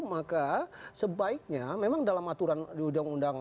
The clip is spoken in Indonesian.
maka sebaiknya memang dalam aturan uu jaya dua puluh dua tahun dua ribu